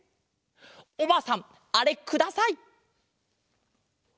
おばあさんあれください！